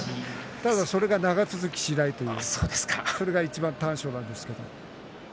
ただそれが長続きしないというそれがいちばんの短所なんです。